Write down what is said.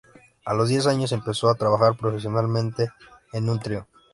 A los diez años empezó a trabajar profesionalmente en un trío.